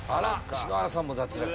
篠原さんも脱落。